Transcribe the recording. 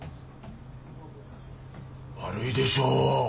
悪いでしょう。